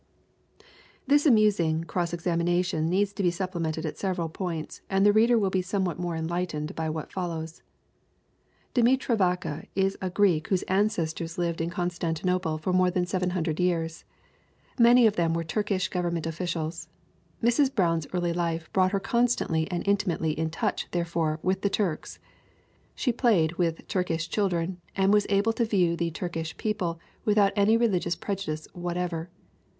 This amusing cross examination needs to be sup plemented at several points and the reader will be somewhat more enlightened by what follows. Demetra Vaka is a Greek whose ancestors lived in 286 THE WOMEN WHO MAKE OUR NOVELS Constantinople for more than 700 years. Many of them were Turkish government officials. Mrs. Brown's early life brought her constantly and inti mately in touch, therefore, with the Turks. She played with Turkish children and was able to view the Turkish people without any religious prejudice whatever.